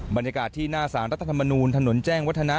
บรรยากาศที่หน้าสารรัฐธรรมนูลถนนแจ้งวัฒนะ